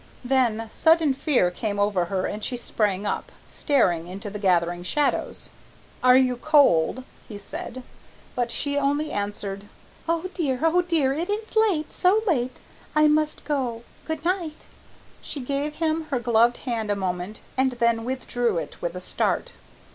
Then sudden fear came over her and she sprang up, staring into the gathering shadows. "Are you cold?" he said. But she only answered, "Oh dear, oh dear, it is late so late! I must go good night." She gave him her gloved hand a moment and then withdrew it with a start.